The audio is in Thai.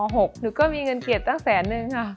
หนูก็มีเงินเกียรติตั้งแสนนึงค่ะ